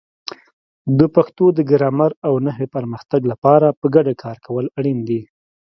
د پښتو د ګرامر او نحوې پرمختګ لپاره په ګډه کار کول اړین دي.